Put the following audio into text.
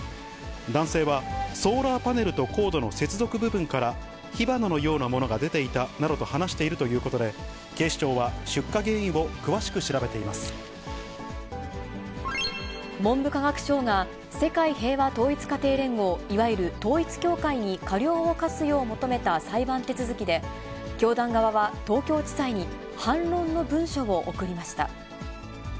男性はソーラーパネルとコードの接続部分から火花のようなものが出ていたと話しているということで、警視庁は出火原因を詳しく調文部科学省が、世界平和統一家庭連合、いわゆる統一教会に過料を科すよう求めた裁判手続きで、教団側は東京地裁に反論の文書を送りました。